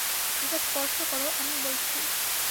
এটা স্পর্শ করো, আমি বলছি।